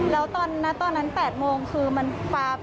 แล้วตอนนั้น๘โมงคือมันปลา